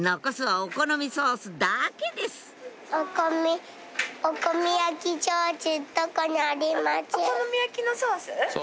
お好み焼きのソース？